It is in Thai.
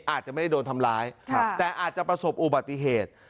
อาจจะไม่ได้โดนทำร้ายแต่อาจจะประสบอุบัติเหตุ